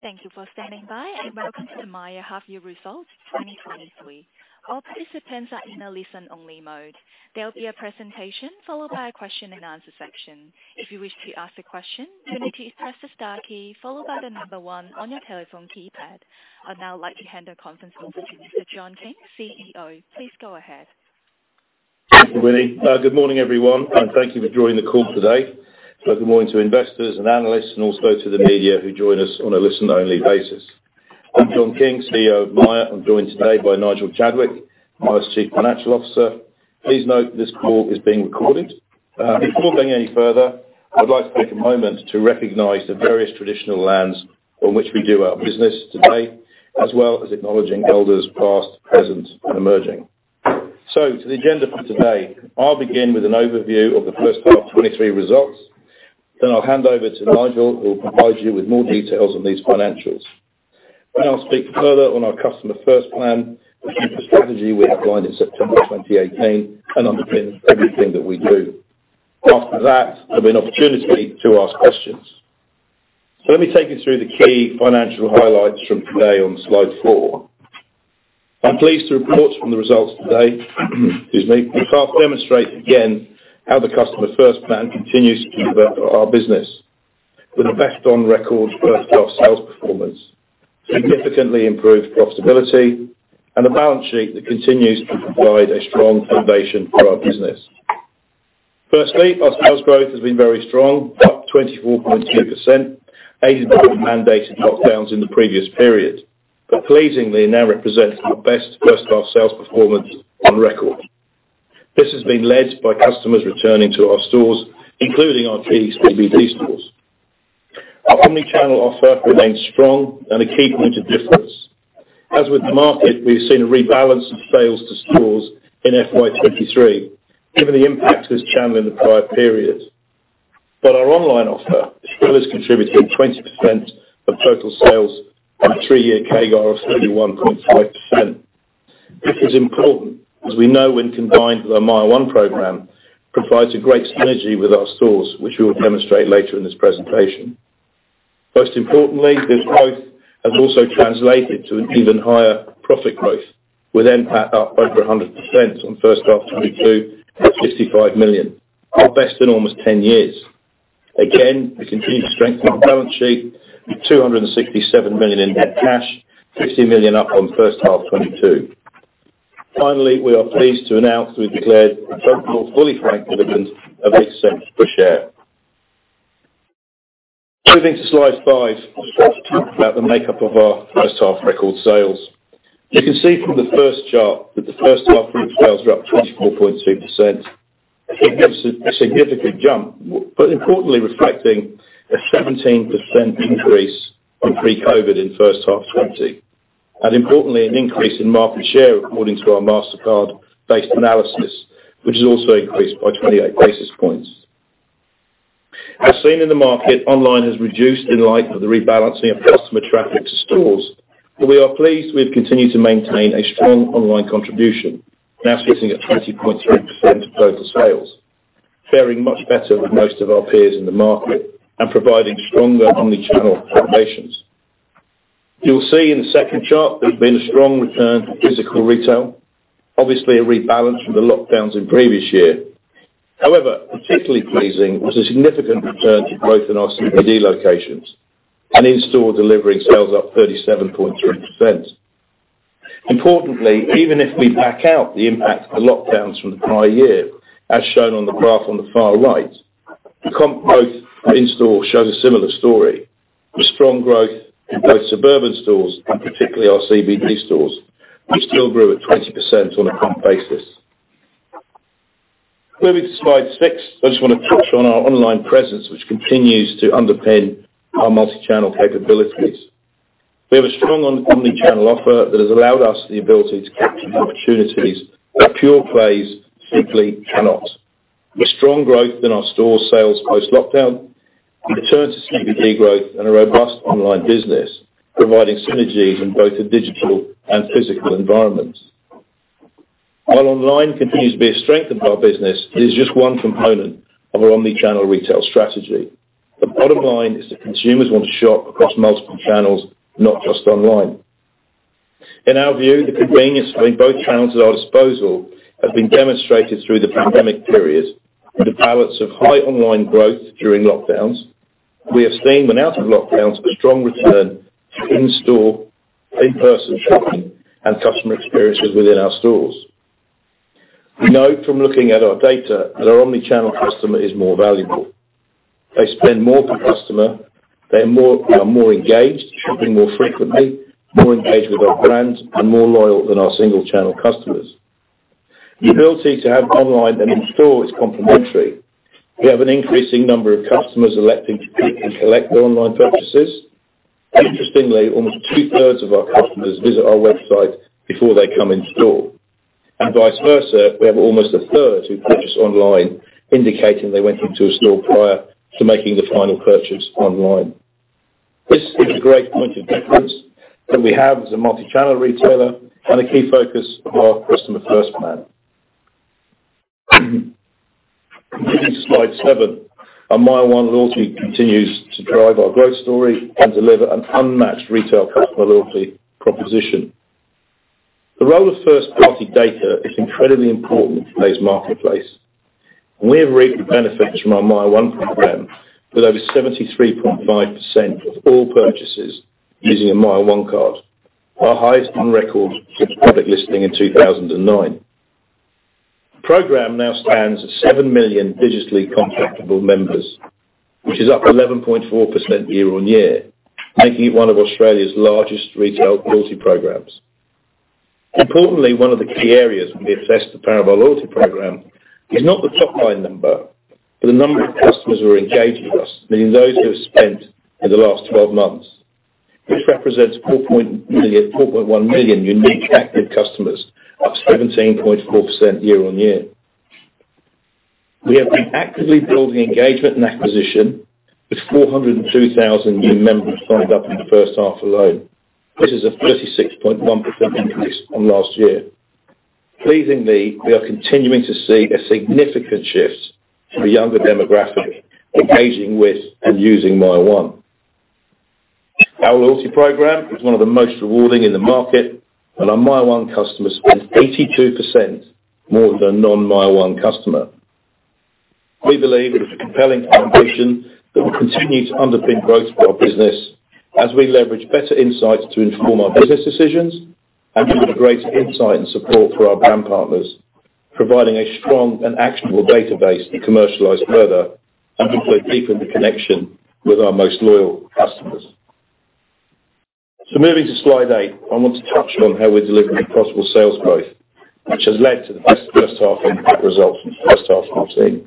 Thank you for standing by, and welcome to Myer half year results 2023. All participants are in a listen-only mode. There'll be a presentation followed by a question and answer section. If you wish to ask a question, you need to press the star key followed by the number one on your telephone keypad. I'd now like to hand the conference over to Mr. John King, CEO. Please go ahead. Thank you, Winnie. Good morning, everyone, and thank you for joining the call today. Well, good morning to investors and analysts, and also to the media who join us on a listen-only basis. I'm John King, CEO of Myer. I'm joined today by Nigel Chadwick, Myer's Chief Financial Officer. Please note this call is being recorded. Before going any further, I'd like to take a moment to recognize the various traditional lands on which we do our business today, as well as acknowledging Elders, past, present, and emerging. To the agenda for today, I'll begin with an overview of the first of 23 results, then I'll hand over to Nigel, who will provide you with more details on these financials. I'll speak further on our Customer First Plan, the overarching strategy we outlined in September 2018 and underpins everything that we do. After that, there'll be an opportunity to ask questions. Let me take you through the key financial highlights from today on slide four. I'm pleased to report from the results today, excuse me. Which help demonstrate again how the Customer First Plan continues to develop our business with a best on record first half sales performance, significantly improved profitability, and a balance sheet that continues to provide a strong foundation for our business. Firstly, our sales growth has been very strong, up 24.2%, aided by the mandated lockdowns in the previous period, but pleasingly now represents our best first half sales performance on record. This has been led by customers returning to our stores, including our key CBD stores. Our omni-channel offer remains strong and a key point of difference. As with the market, we've seen a rebalance of sales to stores in FY 2023, given the impact of this channel in the prior period. Our online offer still is contributing 20% of total sales with a three-year CAGR of 31.5%. This is important as we know when combined with our MYER one program, provides a great synergy with our stores, which we will demonstrate later in this presentation. This growth has also translated to an even higher profit growth, with NPAT up over 100% on first half 2022 at 55 million, our best in almost 10 years. We continue to strengthen our balance sheet with 267 million in net cash, 60 million up on first half 2022. We are pleased to announce we've declared a total fully franked dividend of 0.08 per share. Moving to slide five, I'll start to talk about the makeup of our first half record sales. You can see from the first chart that the first half group sales are up 24.2%. Again, a significant jump, but importantly reflecting a 17% increase on pre-COVID in first half 2020. Importantly, an increase in market share according to our Mastercard-based analysis, which has also increased by 28 basis points. As seen in the market, online has reduced in light of the rebalancing of customer traffic to stores. We are pleased we've continued to maintain a strong online contribution, now sitting at 20.3% of total sales, faring much better than most of our peers in the market and providing stronger omni-channel foundations. You'll see in the second chart there's been a strong return to physical retail, obviously a rebalance from the lockdowns in previous year. Particularly pleasing was a significant return to growth in our CBD locations and in-store delivering sales up 37.3%. Importantly, even if we back out the impact of the lockdowns from the prior year, as shown on the graph on the far right, the comp growth in store shows a similar story with strong growth in both suburban stores and particularly our CBD stores, which still grew at 20% on a comp basis. Moving to slide six, I just wanna touch on our online presence, which continues to underpin our multi-channel capabilities. We have a strong omni-channel offer that has allowed us the ability to capture opportunities that pure plays simply cannot. With strong growth in our store sales post-lockdown, the return to CBD growth and a robust online business, providing synergies in both the digital and physical environments. While online continues to be a strength of our business, it is just one component of our omni-channel retail strategy. The bottom line is that consumers want to shop across multiple channels, not just online. In our view, the convenience of having both channels at our disposal has been demonstrated through the pandemic periods with the balance of high online growth during lockdowns. We have seen when out of lockdowns, a strong return to in-store, in-person shopping, and customer experiences within our stores. We know from looking at our data that our omni-channel customer is more valuable. They spend more per customer, are more engaged, shopping more frequently, more engaged with our brands, and more loyal than our single-channel customers. The ability to have online and in-store is complementary. We have an increasing number of customers electing to click and collect their online purchases. Interestingly, almost two-thirds of our customers visit our website before they come in store. Vice versa, we have almost a third who purchase online indicating they went into a store prior to making the final purchase online. This is a great point of difference that we have as a multi-channel retailer and a key focus of our Customer First Plan. Moving to slide seven, our MYER one loyalty continues to drive our growth story and deliver an unmatched retail customer loyalty proposition. The role of first-party data is incredibly important in today's marketplace, and we have reaped the benefits from our MYER one program, with over 73.5% of all purchases using a MYER one card, our highest on record since public listing in 2009. The program now stands at 7 million digitally contactable members, which is up 11.4% year-on-year, making it one of Australia's largest retail loyalty programs. Importantly, one of the key areas when we assess the power of our loyalty program is not the top-line number, but the number of customers who are engaged with us, meaning those who have spent in the last 12 months. This represents 4.1 million unique active customers, up 17.4% year-on-year. We have been actively building engagement and acquisition, with 402,000 new members signed up in the first half alone. This is a 36.1% increase from last year. Pleasingly, we are continuing to see a significant shift to the younger demographic engaging with and using MYER one. Our loyalty program is one of the most rewarding in the market, and our MYER one customer spends 82% more than a non-MYER one customer. We believe it is a compelling proposition that will continue to underpin growth for our business as we leverage better insights to inform our business decisions and deliver greater insight and support for our brand partners, providing a strong and actionable database to commercialize further and to create deeper the connection with our most loyal customers. Moving to slide eight, I want to touch on how we're delivering across multiple sales growth, which has led to the best first half profit results since first half 2014.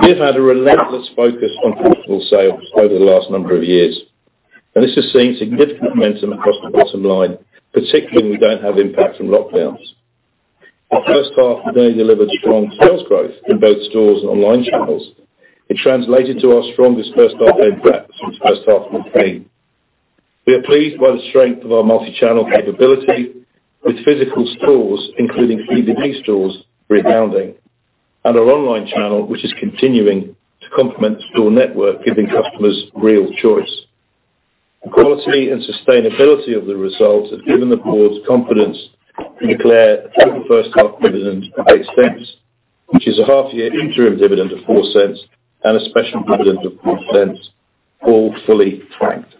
We have had a relentless focus on profitable sales over the last number of years, and this has seen significant momentum across the bottom line, particularly when we don't have impact from lockdowns. The first half has only delivered strong sales growth in both stores and online channels. It translated to our strongest first half impact since first half 2014. We are pleased by the strength of our multi-channel capability with physical stores, including CBD stores rebounding, and our online channel, which is continuing to complement store network, giving customers real choice. The quality and sustainability of the results have given the board confidence to declare a total first half dividend of 0.08, which is a half year interim dividend of 0.04 and a special dividend of 0.04, all fully franked.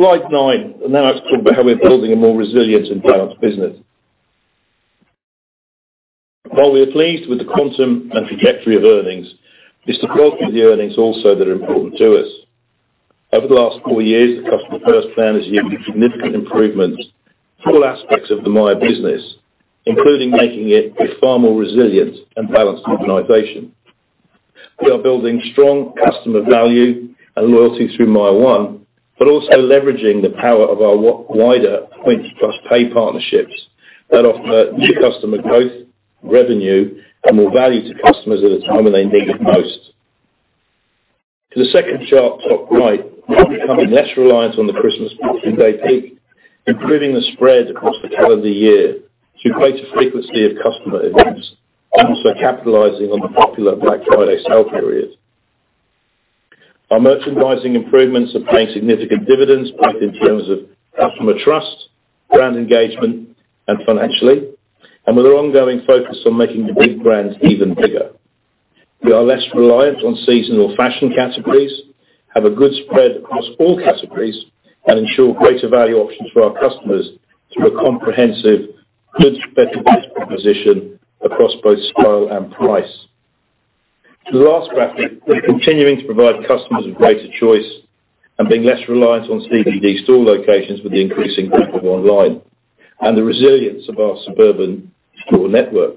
Go to slide nine. Now let's talk about how we're building a more resilient and balanced business. While we are pleased with the quantum and trajectory of earnings, it's the quality of the earnings also that are important to us. Over the last four years, the Customer First Plan has yielded significant improvements to all aspects of the Myer business, including making it a far more resilient and balanced organization. We are building strong customer value and loyalty through MYER one, but also leveraging the power of our wider Points Plus Pay partnerships that offer new customer growth, revenue, and more value to customers at a time when they need it most. To the second chart, top right, we are becoming less reliant on the Christmas trading day peak, improving the spread across the calendar year through greater frequency of customer events, and also capitalizing on the popular Black Friday sale period. Our merchandising improvements are paying significant dividends, both in terms of customer trust, brand engagement, and financially, and with an ongoing focus on making the big brands even bigger. We are less reliant on seasonal fashion categories, have a good spread across all categories, and ensure greater value options for our customers through a comprehensive, good special value proposition across both style and price. To the last graphic, we are continuing to provide customers with greater choice and being less reliant on CBD store locations with the increasing growth of online, and the resilience of our suburban store network.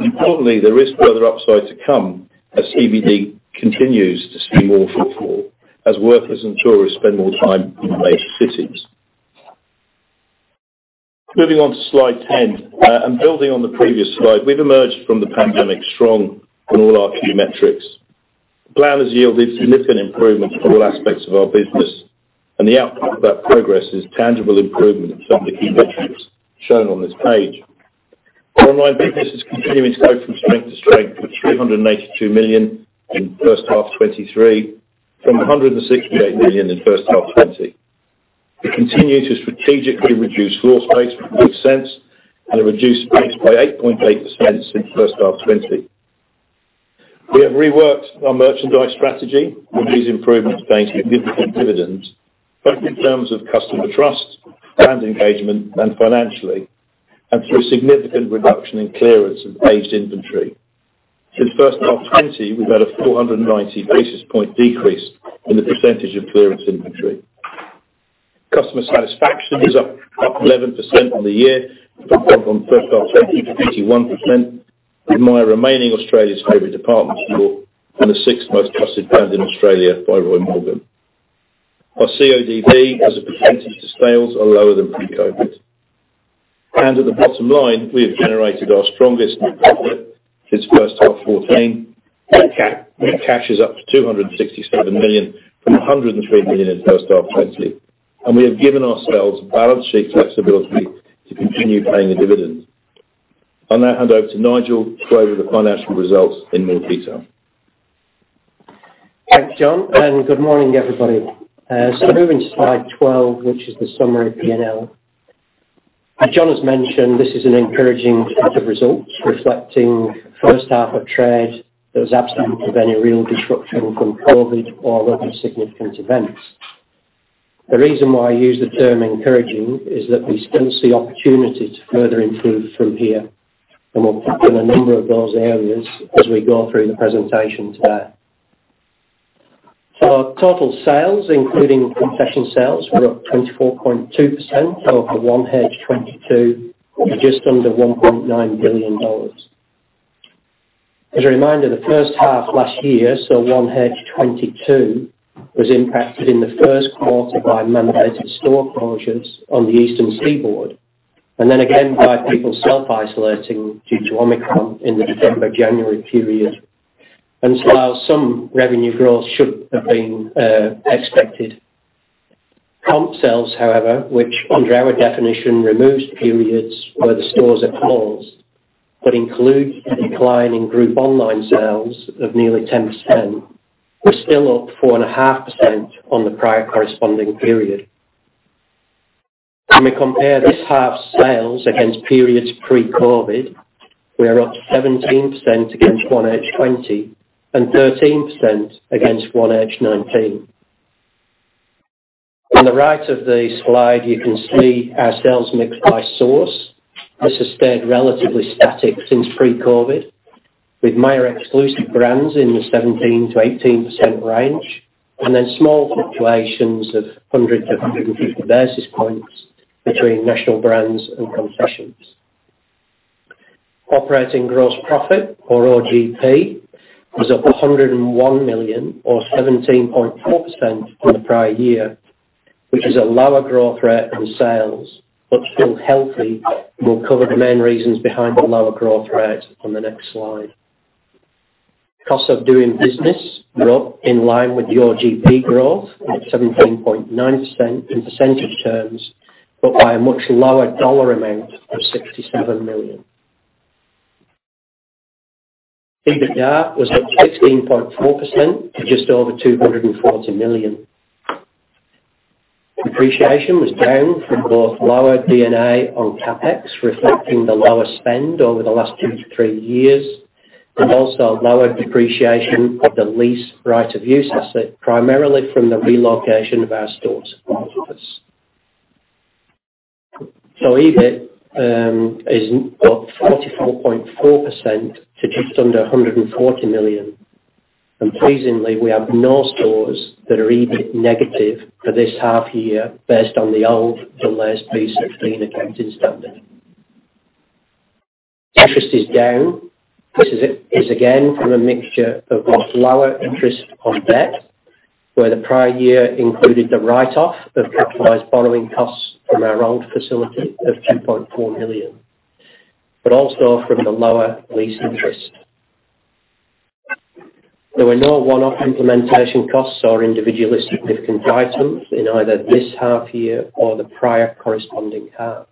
Importantly, there is further upside to come as CBD continues to see more footfall as workers and tourists spend more time in our major cities. Moving on to slide 10. Building on the previous slide, we've emerged from the pandemic strong on all our key metrics. The plan has yielded significant improvements in all aspects of our business. The output of that progress is tangible improvement in some of the key metrics shown on this page. Our online business is continuing to go from strength to strength with 382 million in first half 2023 from 168 million in first half 2020. We continue to strategically reduce floor space with good sense and a reduced space by 8.8% since first half 2020. We have reworked our merchandise strategy, with these improvements paying significant dividends, both in terms of customer trust, brand engagement, and financially, and through significant reduction in clearance of aged inventory. Since first half 2020, we've had a 490 basis point decrease in the percentage of clearance inventory. Customer satisfaction is up 11% on the year from first half 20 to 81% with Myer remaining Australia's favorite department store and the sixth most trusted brand in Australia by Roy Morgan. Our CODB as a percentage to sales are lower than pre-COVID. At the bottom line, we have generated our strongest net profit since first half 2014. Net cash is up to 267 million from 103 million in first half lately. We have given ourselves balance sheet flexibility to continue paying the dividends. I'll now hand over to Nigel to go over the financial results in more detail. Thanks, John. Good morning, everybody. Moving to slide 12, which is the summary P&L. As John has mentioned, this is an encouraging set of results reflecting first half of trade that was absent of any real disruption from COVID or other significant events. The reason why I use the term encouraging is that we still see opportunity to further improve from here, and we'll talk in a number of those areas as we go through the presentation today. Our total sales, including concession sales, were up 24.2% over 1H 2022 to just under 1.9 billion dollars. As a reminder, the first half last year, so 1H 2022, was impacted in the first quarter by mandated store closures on the eastern seaboard, and then again by people self-isolating due to Omicron in the December-January period. While some revenue growth should have been expected. Comp sales, however, which under our definition removes periods where the stores are closed, but includes a decline in group online sales of nearly 10%, we're still up 4.5% on the prior corresponding period. When we compare this half's sales against periods pre-COVID, we are up 17% against 1H 2020 and 13% against 1H 2019. On the right of the slide, you can see our sales mix by source. This has stayed relatively static since pre-COVID, with Myer Exclusive Brands in the 17%-18% range, and then small fluctuations of 100-150 basis points between national brands and concessions. Operating gross profit or OGP was up 101 million or 17.4% on the prior year, which is a lower growth rate than sales, but still healthy. We'll cover the main reasons behind the lower growth rate on the next slide. Cost of doing business were up in line with the OGP growth at 17.9% in percentage terms, but by a much lower dollar amount of 67 million. EBITDA was up 16.4% to just over 240 million. Depreciation was down from both lower D&A on CapEx, reflecting the lower spend over the last two to three years, and also lower depreciation of the lease right of use asset, primarily from the relocation of our stores at office. EBIT is up 44.4% to just under 140 million. Pleasingly, we have no stores that are EBIT negative for this half-year based on the old to less AASB 16 accounting standard. Interest is down. This is again from a mixture of both lower interest on debt, where the prior year included the write-off of capitalized borrowing costs from our old facility of 2.4 million, but also from the lower lease interest. There were no one-off implementation costs or individual significant items in either this half-year or the prior corresponding half.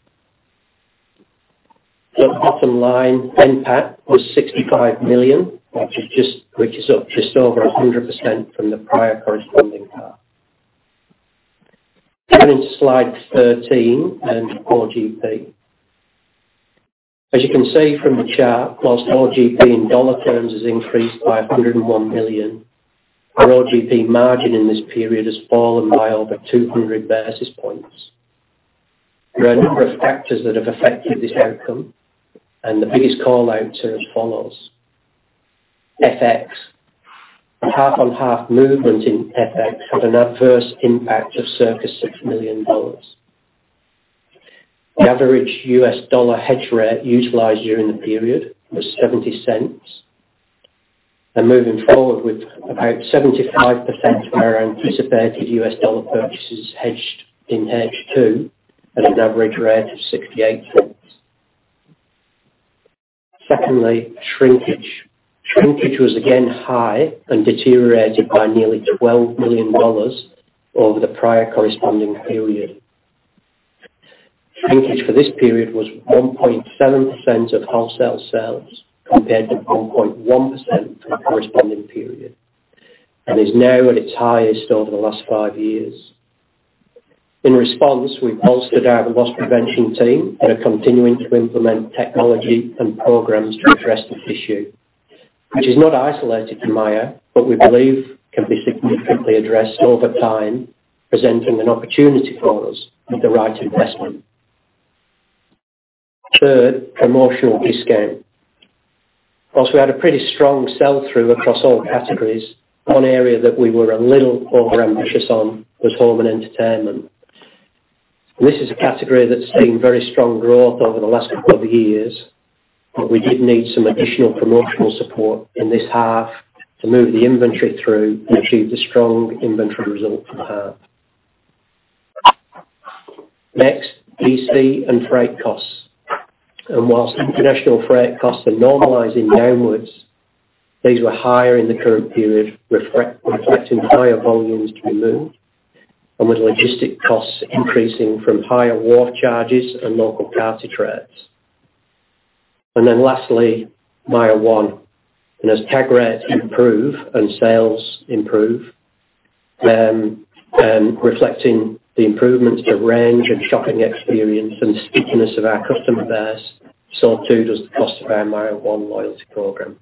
Bottom line, NPAT was 65 million, which is up just over 100% from the prior corresponding half. Going into slide 13 and OGP. As you can see from the chart, whilst OGP in dollar terms has increased by 101 million, our OGP margin in this period has fallen by over 200 basis points. There are a number of factors that have affected this outcome, and the biggest callout are as follows. FX. A half-on-half movement in FX had an adverse impact of circa 6 million dollars. The average U.S. dollar hedge rate utilized during the period was $0.70. Moving forward with about 75% of our anticipated U.S. dollar purchases hedged in hedge two at an average rate of $0.68. Secondly, shrinkage. Shrinkage was again high and deteriorated by nearly 12 million dollars over the prior corresponding period. Shrinkage for this period was 1.7% of wholesale sales compared to 1.1% for the corresponding period and is now at its highest over the last five years. In response, we've bolstered our loss prevention team and are continuing to implement technology and programs to address this issue, which is not isolated to Myer, but we believe can be significantly addressed over time, presenting an opportunity for us with the right investment. Third, promotional discount. Whilst we had a pretty strong sell-through across all categories, one area that we were a little overambitious on was home and entertainment. This is a category that's seen very strong growth over the last couple of years, but we did need some additional promotional support in this half to move the inventory through and achieve the strong inventory result for the half. Next, D.C. and freight costs. Whilst international freight costs are normalizing downwards, these were higher in the current period, reflecting higher volumes to be moved and with logistic costs increasing from higher wharf charges and local drayage rates. Lastly, MYER one. As tag rates improve and sales improve, reflecting the improvements to range and shopping experience and stickiness of our customer base, so too does the cost of our MYER one loyalty program.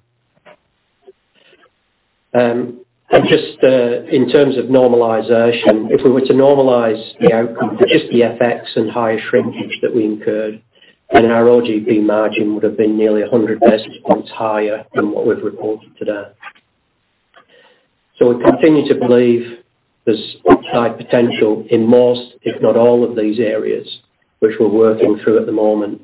Just, in terms of normalization, if we were to normalize the outcome for just the FX and higher shrinkage that we incurred, then our OGP margin would have been nearly 100 basis points higher than what we've reported today. We continue to believe there's upside potential in most, if not all, of these areas which we're working through at the moment.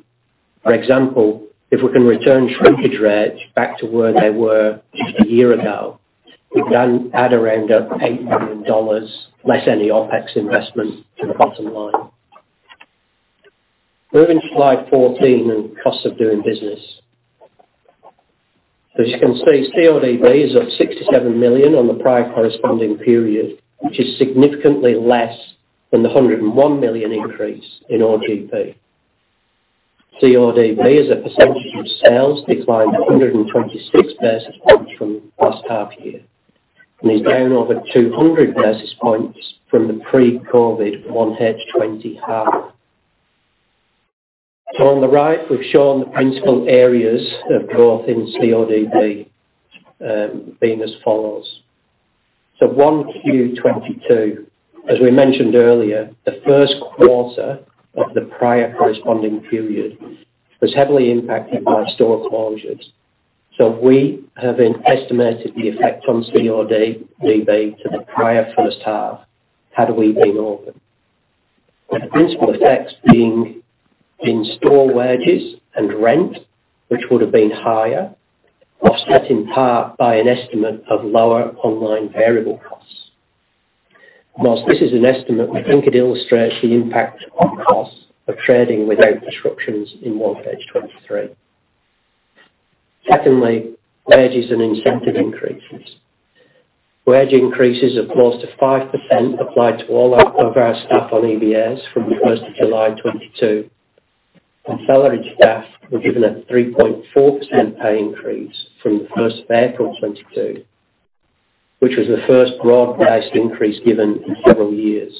For example, if we can return shrinkage rates back to where they were just a year ago, we can add around 8 million dollars, less any OpEx investment to the bottom line. Moving to slide 14 and Costs of Doing Business. As you can see, CODB is up 67 million on the prior corresponding period, which is significantly less than the 101 million increase in OGP. CODB as a percentage of sales declined 126 basis points from last half year, and is down over 200 basis points from the pre-COVID 1H 2020. On the right, we've shown the principal areas of growth in CODB, being as follows. 1Q22, as we mentioned earlier, the first quarter of the prior corresponding period was heavily impacted by store closures. We have then estimated the effect on CODB to the prior first half had we been open. With the principal effects being in-store wages and rent, which would have been higher, offset in part by an estimate of lower online variable costs. Whilst this is an estimate, we think it illustrates the impact on costs of trading without disruptions in one page 2023. Secondly, wages and incentive increases. Wage increases of close to 5% apply to all of our staff on EBAs from the July 1st, 2022. Salaried staff were given a 3.4% pay increase from the April 1st, 2022, which was the first broad-based increase given in several years.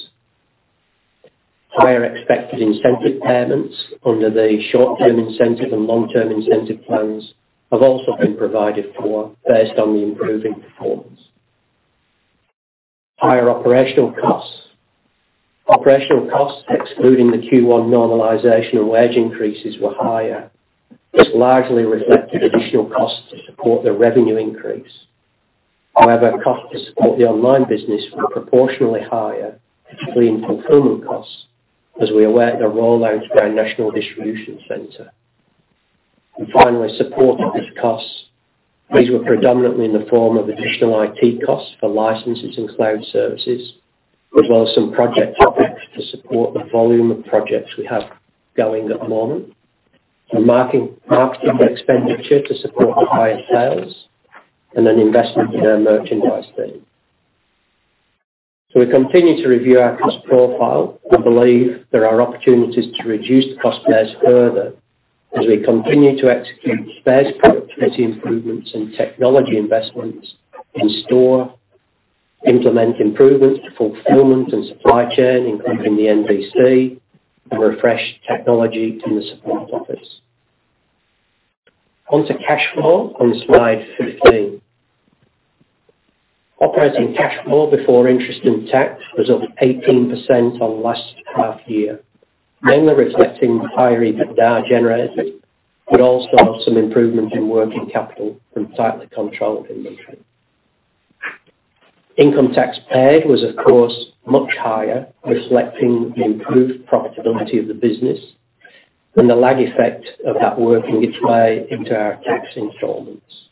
Higher expected incentive payments under the short-term incentive and long-term incentive plans have also been provided for based on the improving performance. Higher operational costs. Operational costs, excluding the Q1 normalization and wage increases were higher, which largely reflected additional costs to support the revenue increase. Costs to support the online business were proportionally higher, particularly in fulfillment costs, as we awaited a rollout to our national distribution center. Finally, support office costs. These were predominantly in the form of additional IT costs for licenses and cloud services, as well as some project topics to support the volume of projects we have going at the moment. Marketing expenditure to support the higher sales and an investment in our merchandise team. We continue to review our cost profile and believe there are opportunities to reduce the cost base further as we continue to execute space productivity improvements and technology investments in store, implement improvements to fulfillment and supply chain, including the NDC, and refresh technology in the support office. Onto cash flow on slide 15. Operating cash flow before interest in tech was up 18% on last half-year, mainly reflecting higher EBITDA generated, but also some improvement in working capital from tightly controlled inventory. Income tax paid was of course much higher, reflecting the improved profitability of the business and the lag effect of that working its way into our tax installments.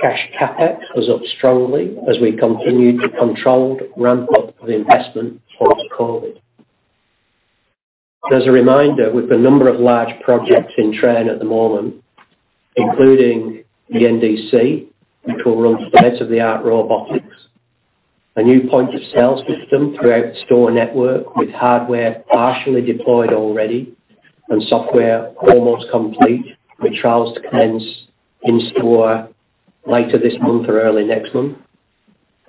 Cash CapEx was up strongly as we continued the controlled ramp-up of investment post-COVID. As a reminder, we've a number of large projects in train at the moment, including the NDC, which will run state-of-the-art robotics, a new point-of-sale system throughout the store network with hardware partially deployed already and software almost complete, with trials to commence in-store later this month or early next month,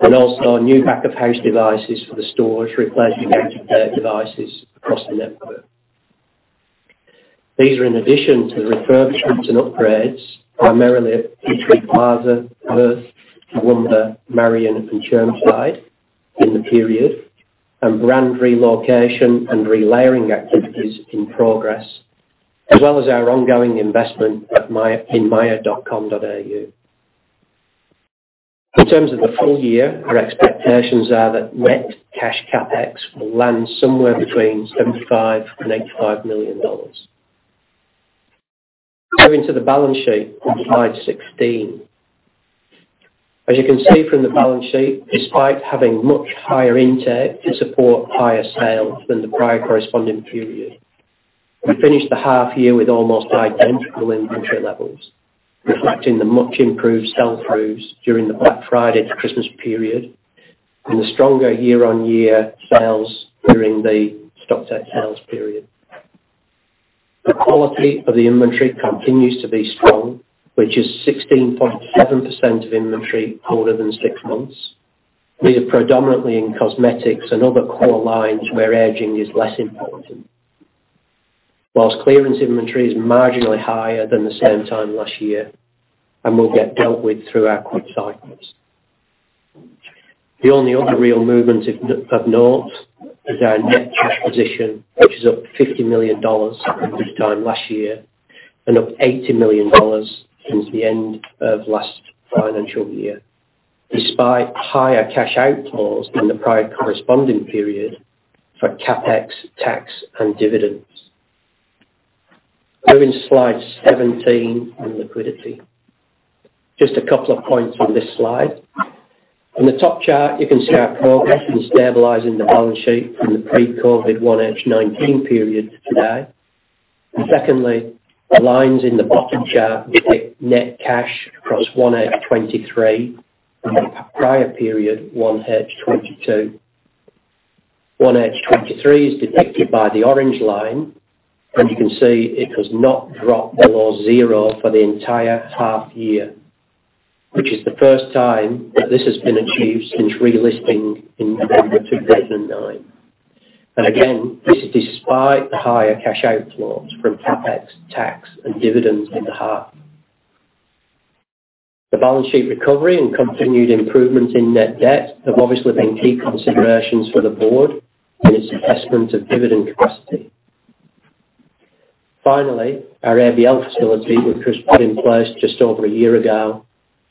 and also new back-of-house devices for the stores, replacing end-of-life devices across the network. These are in addition to refurbishments and upgrades, primarily at Eastlands, Perth, Toowoomba, Marion, and Chermside in the period and brand relocation and relayering activities in progress, as well as our ongoing investment in myer.com.au. In terms of the full year, our expectations are that net cash CapEx will land somewhere between 75 million and 85 million dollars. Go into the balance sheet on slide 16. As you can see from the balance sheet, despite having much higher intake to support higher sales than the prior corresponding period, we finished the half year with almost identical inventory levels, reflecting the much improved sell-throughs during the Black Friday to Christmas period and the stronger year-on-year sales during the Stocktake Sale period. The quality of the inventory continues to be strong, which is 16.7% of inventory older than six months. These are predominantly in cosmetics and other core lines where aging is less important. Whilst clearance inventory is marginally higher than the same time last year and will get dealt with through our quick cycles. The only other real movement of note is our net cash position, which is up 50 million dollars from this time last year and up 80 million dollars since the end of last financial year, despite higher cash outflows than the prior corresponding period for CapEx, tax, and dividends. Over in slide 17 on liquidity. Just a couple of points on this slide. On the top chart, you can see our progress in stabilizing the balance sheet from the pre-COVID, 1H 2019 period to today. Secondly, the lines in the bottom chart depict net cash across 1H 2023 and the prior period, 1H 2022. 1H 2023 is depicted by the orange line, and you can see it has not dropped below 0 for the entire half year, which is the first time that this has been achieved since relisting in November 2009. Again, this is despite the higher cash outflows from CapEx, tax, and dividends in the half. The balance sheet recovery and continued improvements in net debt have obviously been key considerations for the board and its assessment of dividend capacity. Finally, our ABL facility, which was put in place just over a year ago,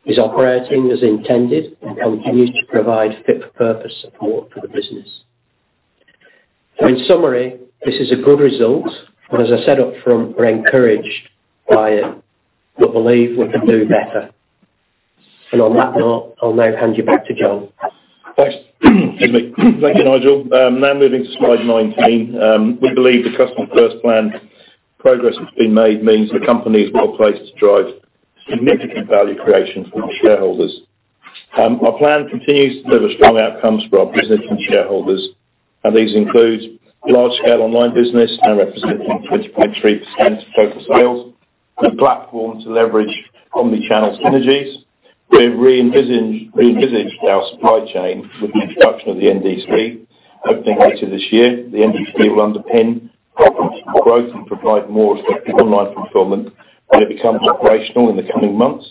is operating as intended and continues to provide fit for purpose support for the business. In summary, this is a good result, and as I said up front, we're encouraged by it, but believe we can do better. On that note, I'll now hand you back to John. Thanks. Excuse me. Thank you, Nigel. Now moving to slide 19. We believe the Customer First Plan progress that's been made means the company is well placed to drive significant value creation for the shareholders. Our plan continues to deliver strong outcomes for our business and shareholders. These include large-scale online business now representing 20.3% of total sales with platform to leverage omni-channel synergies. We've re-envisioned our supply chain with the introduction of the NDC opening later this year. The NDC will underpin growth and provide more effective online fulfillment when it becomes operational in the coming months.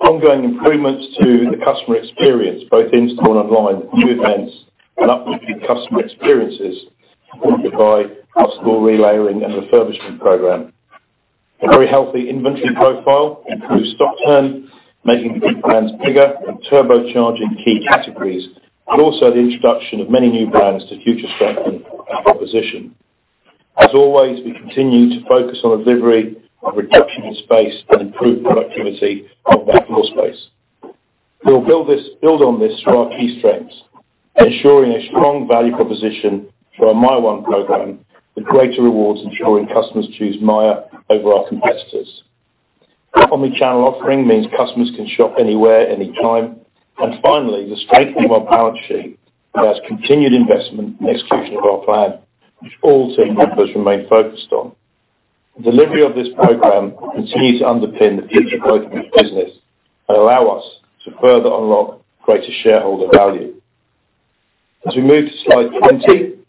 Ongoing improvements to the customer experience, both in-store and online, new events and upgraded customer experiences supported by our store relayering and refurbishment program. A very healthy inventory profile, improved stock turn, making the big brands bigger and turbocharging key categories, and also the introduction of many new brands to future-strengthen our proposition. As always, we continue to focus on the delivery of reduction in space and improved productivity of back floor space. We'll build on this through our key strengths, ensuring a strong value proposition through our MYER one program with greater rewards, ensuring customers choose Myer over our competitors. Our omni-channel offering means customers can shop anywhere, anytime. Finally, the strength of our balance sheet allows continued investment and execution of our plan, which all team members remain focused on. The delivery of this program continues to underpin the future growth of the business and allow us to further unlock greater shareholder value. As we move to slide 20,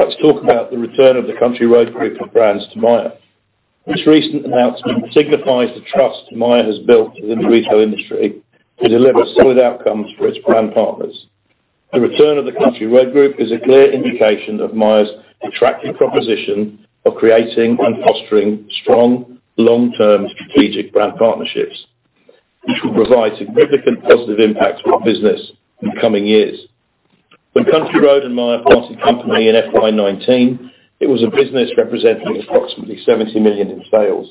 let's talk about the return of the Country Road Group of brands to Myer. This recent announcement signifies the trust Myer has built within the retail industry to deliver solid outcomes for its brand partners. The return of the Country Road Group is a clear indication of Myer's attractive proposition of creating and fostering strong, long-term strategic brand partnerships, which will provide significant positive impact to our business in the coming years. When Country Road and Myer parted company in FY 2019, it was a business representing approximately 70 million in sales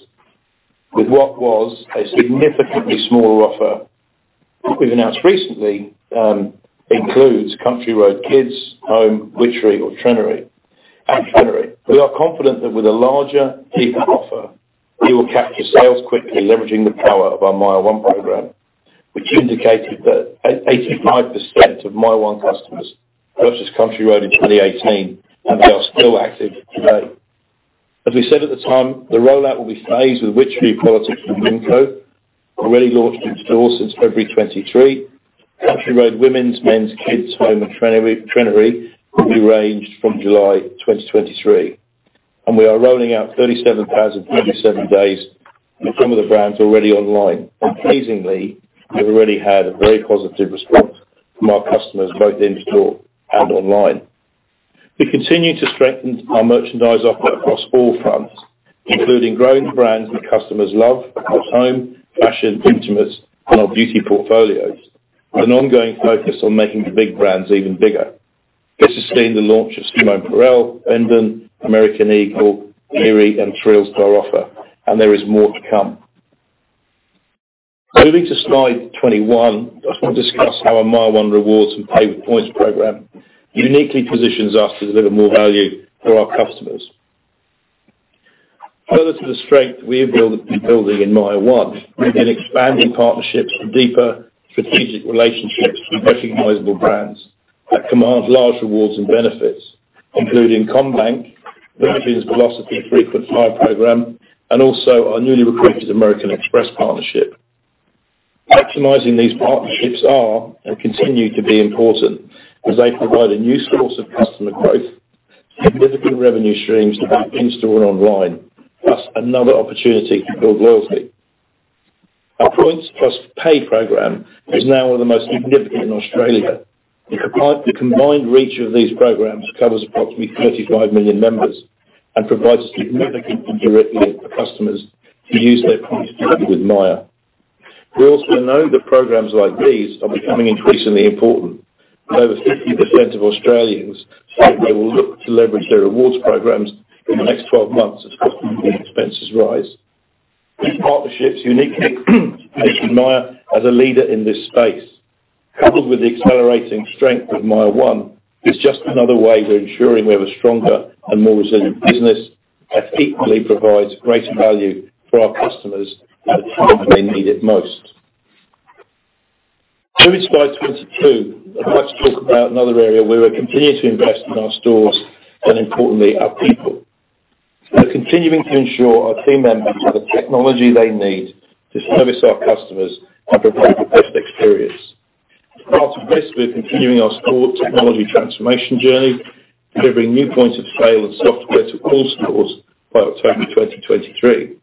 with what was a significantly smaller offer. What we've announced recently includes Country Road Kids, Home, Witchery or Trenery. At Trenery, we are confident that with a larger, deeper offer, we will capture sales quickly, leveraging the power of our MYER one program, which indicated that 85% of MYER one customers purchased Country Road in 2018. They are still active today. As we said at the time, the rollout will be phased with Witchery, Politix and Mimco already launched in stores since February 2023. Country Road Women's, Men's, Kids, Home, and Trenery will be ranged from July 2023, and we are rolling out 37,037 days with some of the brands already online. Amazingly, we've already had a very positive response from our customers, both in store and online. We continue to strengthen our merchandise offer across all fronts, including growing the brands that customers love across home, fashion, intimates, and our beauty portfolios with an ongoing focus on making the big brands even bigger. This has seen the launch of Simone Pérèle, Indois, American Eagle, Theory, and Thrills and Oroton. There is more to come. Moving to slide 21, I just wanna discuss how our MYER one Rewards and Pay with Points program uniquely positions us to deliver more value for our customers. Further to the strength we have been building in MYER one, we've been expanding partnerships and deeper strategic relationships with recognizable brands that command large rewards and benefits, including CommBank, Virgin's Velocity frequent flyer program, and also our newly recruited American Express partnership. Maximizing these partnerships are, and continue to be important, as they provide a new source of customer growth, significant revenue streams both in-store and online, plus another opportunity to build loyalty. Our Points Plus Pay program is now one of the most significant in Australia. The combined reach of these programs covers approximately 35 million members and provides significant and direct link for customers to use their points directly with Myer. We also know that programs like these are becoming increasingly important. Over 50% of Australians said they will look to leverage their rewards programs in the next 12 months as cost of living expenses rise. These partnerships uniquely position Myer as a leader in this space. Coupled with the accelerating strength of MYER one, it's just another way we're ensuring we have a stronger and more resilient business that equally provides greater value for our customers at a time when they need it most. Moving to slide 22, I'd like to talk about another area where we're continuing to invest in our stores and importantly, our people. We're continuing to ensure our team members have the technology they need to service our customers and provide the best experience. As part of this, we're continuing our store technology transformation journey, delivering new points of sale and software to all stores by October 2023.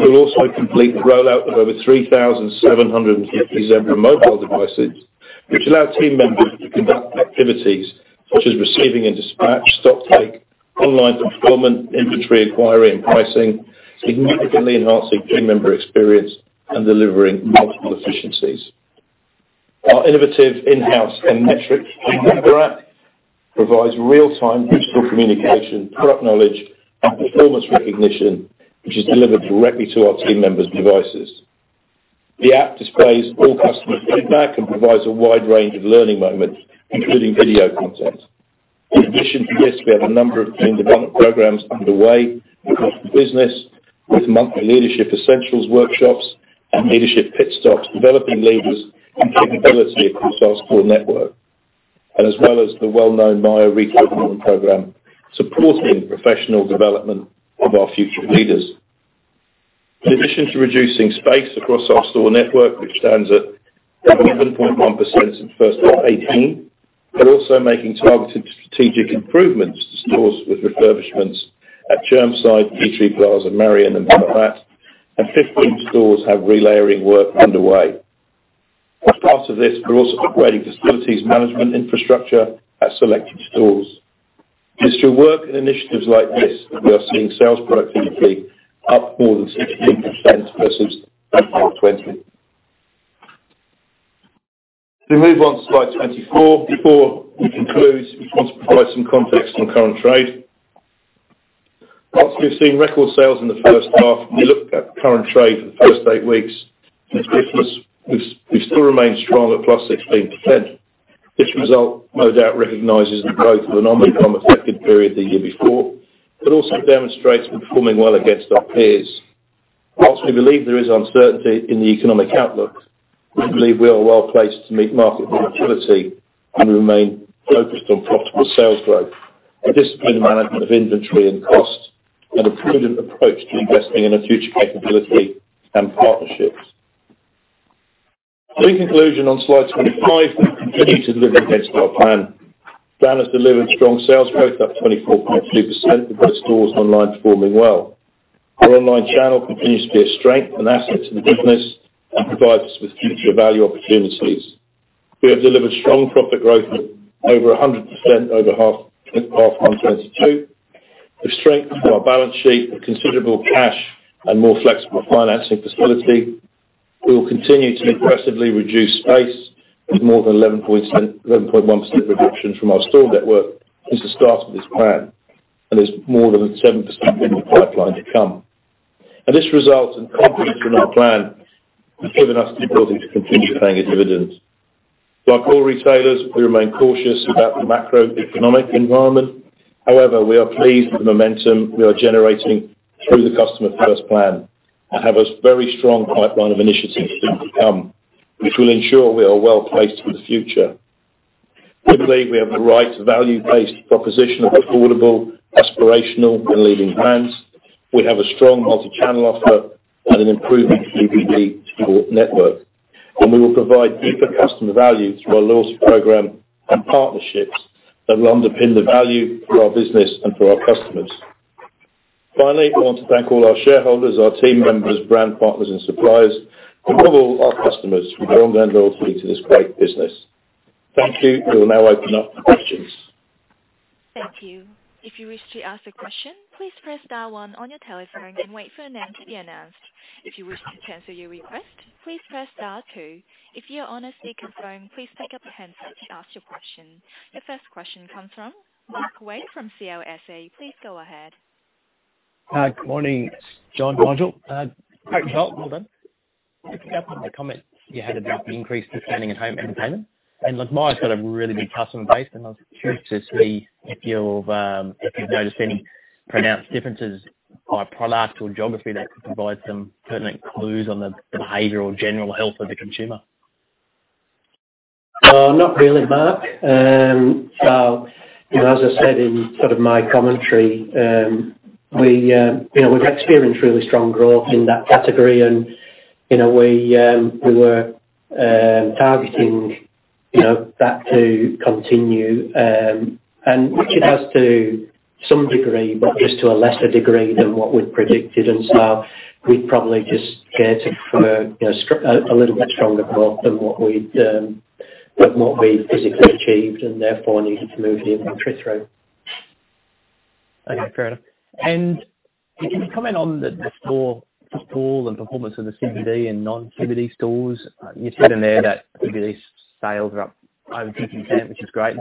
We'll also complete the rollout of over 3,750 Zebra mobile devices, which allow team members to conduct activities such as receiving and dispatch, Stocktake, online fulfillment, inventory inquiry, and pricing, significantly enhancing team member experience and delivering multiple efficiencies. Our innovative in-house and My Team Member App provides real-time digital communication, product knowledge, and performance recognition, which is delivered directly to our team members' devices. The app displays all customer feedback and provides a wide range of learning moments, including video content. In addition to this, we have a number of team development programs underway across the business with monthly leadership essentials workshops and leadership pit stops, developing leaders and capability across our store network, and as well as the well-known Myer Graduate Development Program, supporting professional development of our future leaders. In addition to reducing space across our store network, which stands at 11.1% since first half 2018, we're also making targeted strategic improvements to stores with refurbishments at Eastlands, Tea Tree Plaza, Marion, and Mount Gravatt, and 15 stores have relayering work underway. As part of this, we're also upgrading facilities management infrastructure at selected stores. It's through work and initiatives like this that we are seeing sales productivity up more than 16% versus 2020. We move on to slide 24. We conclude, we just want to provide some context on current trade. We've seen record sales in the first half, we look at current trade for the first eight weeks of this business, we still remain strong at +16%. This result no doubt recognizes the growth of an Omicron-affected period the year before, but also demonstrates we're performing well against our peers. Whilst we believe there is uncertainty in the economic outlook, we believe we are well placed to meet market volatility and remain focused on profitable sales growth, a disciplined management of inventory and cost, and a prudent approach to investing in our future capability and partnerships. In conclusion, on slide 25, we continue to deliver against our plan. The brand has delivered strong sales growth, up 24.2%, with both stores and online performing well. Our online channel continues to be a strength and asset to the business and provides us with future value opportunities. We have delivered strong profit growth of over 100% over H1 2022. The strength of our balance sheet with considerable cash and more flexible financing facility. We will continue to aggressively reduce space with more than 11.1% reduction from our store network since the start of this plan. There's more than a 7% in the pipeline to come. This result and confidence in our plan has given us the ability to continue paying a dividend. Like all retailers, we remain cautious about the macroeconomic environment. However, we are pleased with the momentum we are generating through the Customer First Plan and have a very strong pipeline of initiatives to come, which will ensure we are well placed for the future. We believe we have the right value-based proposition of affordable, aspirational, and leading brands. We have a strong multi-channel offer and an improving PBD store network. We will provide deeper customer value through our loyalty program and partnerships that will underpin the value for our business and for our customers. Finally, I want to thank all our shareholders, our team members, brand partners and suppliers, and above all, our customers who build their loyalty to this great business. Thank you. We'll now open up for questions. Thank you. If you wish to ask a question, please press star one on your telephone and wait for your name to be announced. If you wish to cancel your request, please press star two. If you're honestly concerned, please pick up a handset to ask your question. Your first question comes from Mark Wade from CLSA. Please go ahead. Good morning, John, Nigel. Great results. Well done. Just a couple of comments you had about the increased spending at home entertainment. Like Myer's got a really good customer base, and I was curious to see if you've, if you've noticed any pronounced differences by product or geography that could provide some pertinent clues on the behavioral and general health of the consumer. Not really, Mark. You know, as I said in sort of my commentary, we, you know, we've experienced really strong growth in that category and, in a way, we were targeting, you know, that to continue, and which it has to some degree, but just to a lesser degree than what we'd predicted. We'd probably just catered for, you know, a little bit stronger growth than what we'd than what we'd physically achieved and therefore needed to move the inventory through. Okay. Fair enough. Can you comment on the store, the pool and performance of the CBD and non-CBD stores? You said in there that CBD sales are up over 2%, which is great.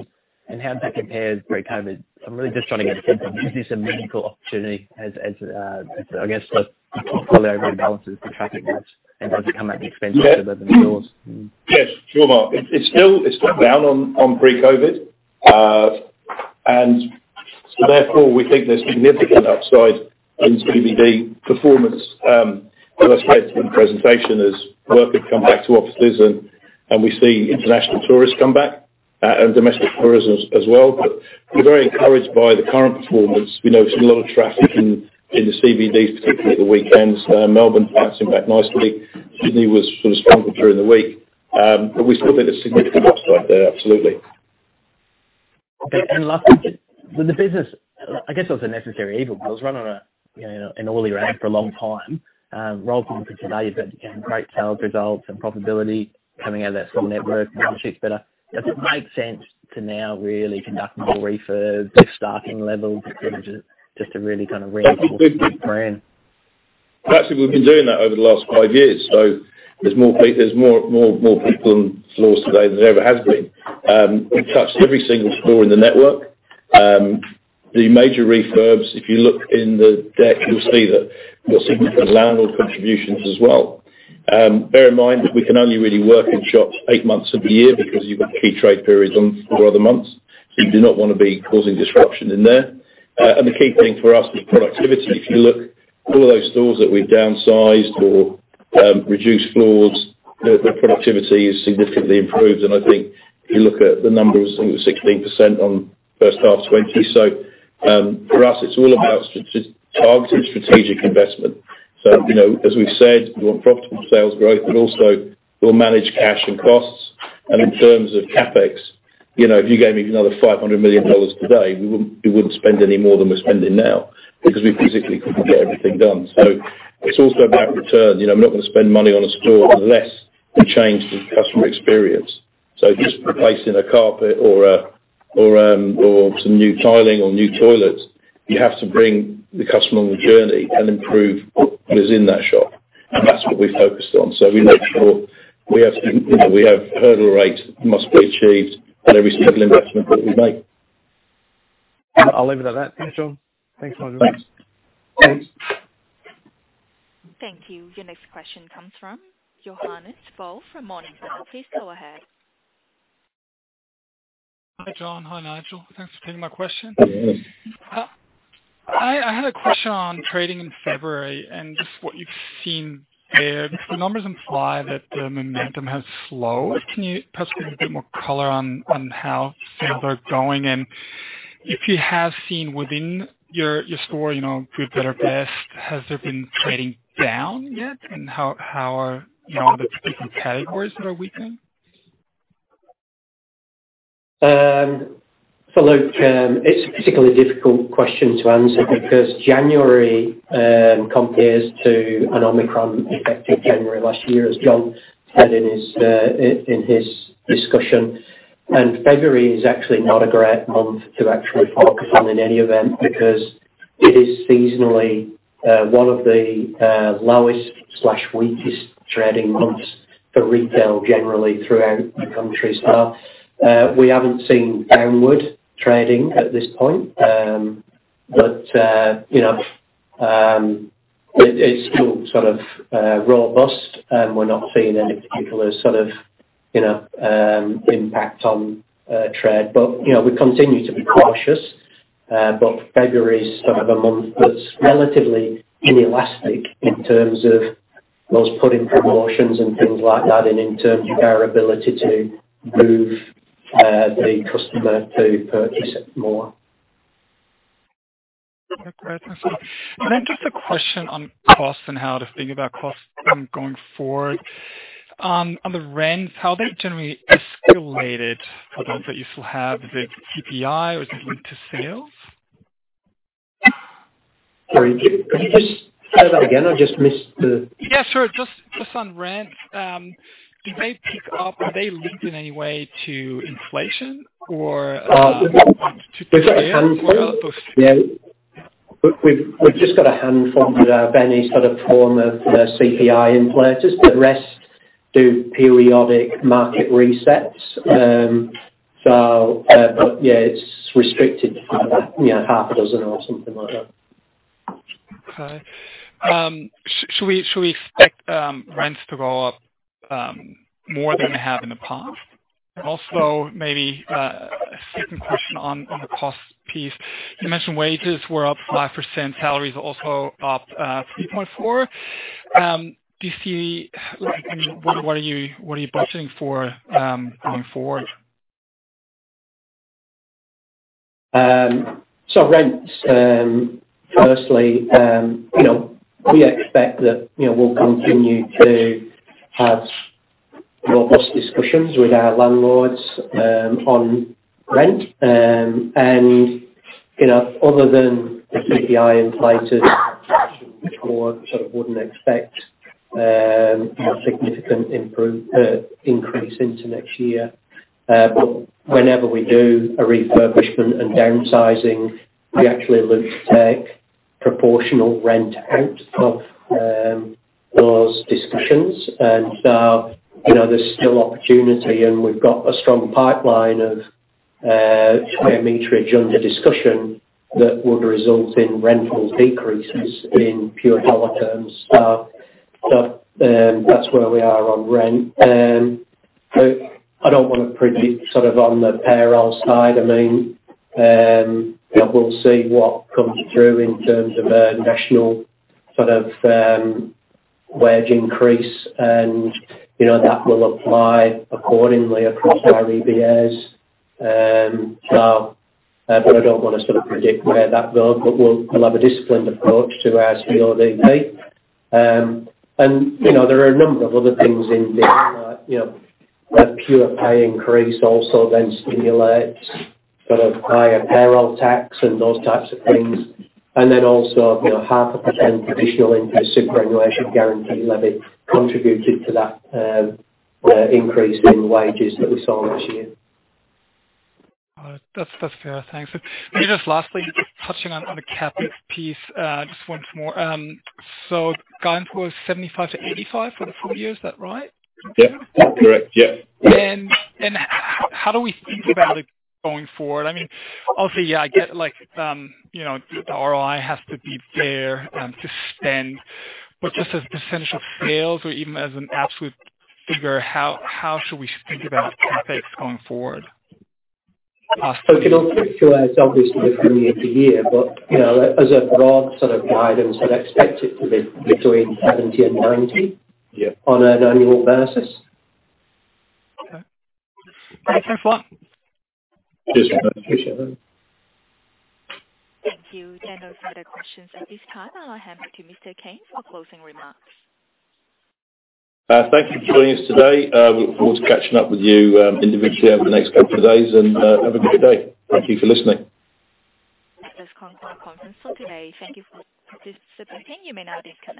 How does that compare pre-COVID? I'm really just trying to get a sense of is this a meaningful opportunity as I guess as people pull their balances to track against and does it come at the expense of other stores? Yes. Sure, Mark. It's still down on pre-COVID. Therefore, we think there's significant upside in CBD performance, as I said in the presentation, as work has come back to offices and we see international tourists come back and domestic tourism as well. We're very encouraged by the current performance. We know there's a lot of traffic in the CBD, particularly at the weekends. Melbourne bouncing back nicely. Sydney was sort of stronger during the week. We still think there's significant upside there, absolutely. Lastly, with the business, I guess it was a necessary evil. It was run on a, you know, an all era for a long time. Rolling through today, you've got, again, great sales results and profitability coming out of that sort of network, and the sheet's better. Does it make sense to now really conduct more refurbs with staffing levels just to really kind of reinforce the brand? Actually, we've been doing that over the last five years. there's more people in stores today than there ever has been. We've touched every single store in the network. The major refurbs, if you look in the deck, you'll see that we've got significant landlord contributions as well. Bear in mind that we can only really work in shops 8 months of the year because you've got key trade periods on four other months. You do not want to be causing disruption in there. The key thing for us is productivity. If you look all of those stores that we've downsized or reduced floors, the productivity is significantly improved. I think if you look at the numbers, I think it was 16% on first half 2020. For us, it's all about targeted strategic investment. As we've said, we want profitable sales growth, but also we'll manage cash and costs. In terms of CapEx, you know, if you gave me another 500 million dollars today, we wouldn't spend any more than we're spending now because we physically couldn't get everything done. It's also about return. You know, I'm not gonna spend money on a store unless we change the customer experience. Just replacing a carpet or a, or some new tiling or new toilets, you have to bring the customer on the journey and improve what is in that shop. That's what we've focused on. We make sure we have, you know, we have hurdle rates must be achieved at every single investment that we make. I'll leave it at that. Thanks, John. Thanks, Nigel. Thanks. Thank you. Your next question comes from Johannes Faul from Morningstar. Please go ahead. Hi, John. Hi, Nigel. Thanks for taking my question. Yeah. I had a question on trading in February and just what you've seen there. The numbers imply that the momentum has slowed. Can you perhaps give a bit more color on how sales are going? If you have seen within your store, you know, good, better, best, has there been trading down yet? How are, you know, the different categories that are weakened? Look, it's a particularly difficult question to answer because January compares to an Omicron affected January last year, as John said in his discussion. February is actually not a great month to actually focus on in any event because it is seasonally one of the lowest/weakest trading months for retail generally throughout the country. We haven't seen downward trading at this point. But, you know, it's still sort of robust, and we're not seeing any particular sort of, you know, impact on trade. You know, we continue to be cautious. But February's sort of a month that's relatively inelastic in terms of us putting promotions and things like that in terms of our ability to move the customer to purchase more. Okay. Great. Thanks. Then just a question on costs and how to think about costs going forward. On the rents, how are they generally escalated for those that you still have? Is it CPI or is it linked to sales? Sorry, could you just say that again? I just missed. Yeah, sure. Just on rent, do they pick up, do they lead in any way to inflation or? We've got a handful. Yeah. We've just got a handful of any sort of form of CPI inflators. The rest do periodic market resets. Yeah, it's restricted to kind of, you know, half a dozen or something like that. Should we expect rents to go up more than they have in the past? Maybe a second question on the cost piece. You mentioned wages were up 5%, salaries also up 3.4%. I mean, what are you budgeting for going forward? Rents, you know, we expect that, you know, we'll continue to have robust discussions with our landlords on rent. You know, other than the CPI inflators which we sort of wouldn't expect a significant increase into next year. Whenever we do a refurbishment and downsizing, we actually look to take proportional rent out of those discussions. You know, there's still opportunity, and we've got a strong pipeline of square meterage under discussion that would result in rental decreases in pure dollar terms. That's where we are on rent. I don't wanna predict sort of on the payroll side. I mean, we'll see what comes through in terms of a national sort of wage increase and, you know, that will apply accordingly across our EBAs. I don't wanna sort of predict where that goes, but we'll have a disciplined approach to our CODB. You know, there are a number of other things in there like, you know, a pure pay increase also then stimulates sort of higher payroll tax and those types of things. You know, 0.5% additional increase superannuation guarantee levy contributed to that increase in wages that we saw last year. All right. That's fair. Thanks. Maybe just lastly, just touching on the CapEx piece, just once more. So guidance was 75-85 for the full year. Is that right? Yep. That's correct, yeah. How do we think about it going forward? I mean, obviously, yeah, I get like, you know, the ROI has to be there to spend. Just as % of sales or even as an absolute figure, how should we think about CapEx going forward? Look, in all particular it's obviously from year to year, but, you know, as a broad sort of guidance, I'd expect it to be between 70 and 90- Yeah. on an annual basis. Okay. Thanks, everyone. Cheers, man. Appreciate that. Thank you. There are no further questions at this time. I'll hand back to Mr. King for closing remarks. Thank you for joining us today. We look forward to catching up with you individually over the next couple of days and have a good day. Thank you for listening. That is concludes our conference for today. Thank you for participating. You may now disconnect.